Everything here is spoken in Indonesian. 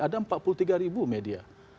ada empat puluh tiga ribu media